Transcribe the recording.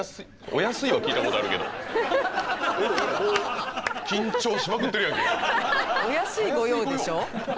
お安い御用でしょ？